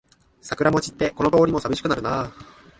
桜も散ってこの通りもさびしくなるな